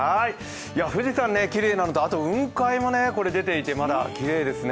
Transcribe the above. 富士山きれいなのと、雲海も出ていてきれいですね。